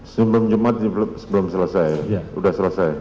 sebelum jumat sebelum selesai